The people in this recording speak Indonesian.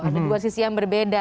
ada dua sisi yang berbeda